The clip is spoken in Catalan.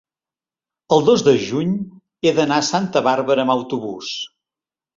el dos de juny he d'anar a Santa Bàrbara amb autobús.